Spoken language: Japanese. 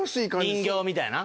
人形みたいな？